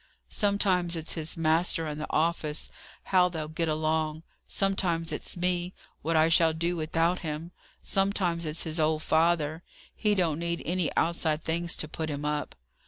Sometimes it's his master and the office, how they'll get along; sometimes it's me, what I shall do without him; sometimes it's his old father. He don't need any outside things to put him up."